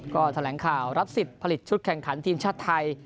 ก็แถลงข่าวรับสิทธิ์ผลิตชุดแข่งขันทีมชาติไทย